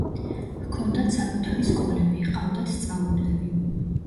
ჰქონდათ საკუთარი სკოლები, ჰყავდათ სწავლულები.